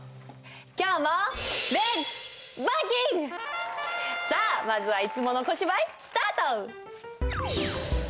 今日もさあまずはいつもの小芝居スタート！